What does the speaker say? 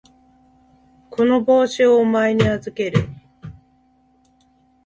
この帽子をお前に預ける。